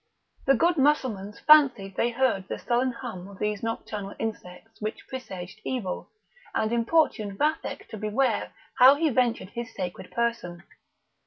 The good Mussulmans fancied that they heard the sullen hum of those nocturnal insects which presage evil, and importuned Vathek to beware how he ventured his sacred person.